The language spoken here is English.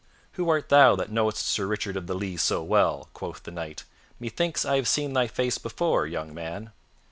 "Who art thou that knowest Sir Richard of the Lea so well?" quoth the Knight. "Methinks I have seen thy face before, young man."